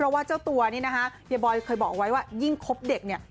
เพราะว่าเจ้าตัวนี่นะคะเฮียบอยเคยบอกไว้ว่ายิ่งคบเด็กเนี่ย